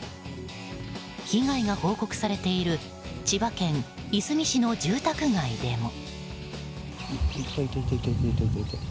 被害が報告されている千葉県いすみ市の住宅街でも。